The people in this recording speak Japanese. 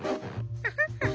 ウフフフ。